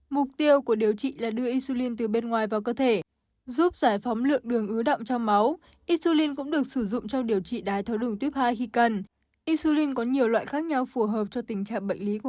mục tiêu của điều trị là đưa insulin từ bên ngoài vào cơ thể giúp giải phóng lượng đường ứa đậm trong máu